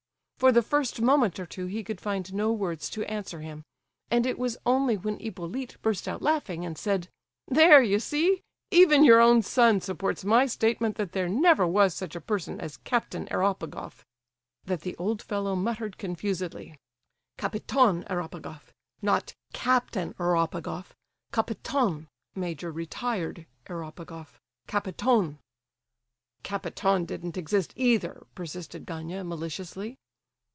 For the first moment or two he could find no words to answer him, and it was only when Hippolyte burst out laughing, and said: "There, you see! Even your own son supports my statement that there never was such a person as Captain Eropegoff!" that the old fellow muttered confusedly: "Kapiton Eropegoff—not Captain Eropegoff!—Kapiton—major retired—Eropegoff—Kapiton." "Kapiton didn't exist either!" persisted Gania, maliciously.